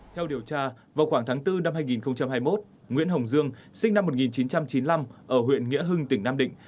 theo điều tra vào khoảng tháng bốn năm hai nghìn hai mươi một nguyễn hồng dương sinh năm một nghìn chín trăm chín mươi năm ở huyện nghĩa hưng tỉnh nam định